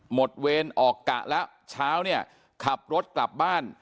เวรออกกะแล้วเช้าเนี่ยขับรถกลับบ้าน